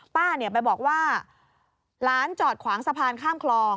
ป้าไปบอกว่าหลานจอดขวางสะพานข้ามคลอง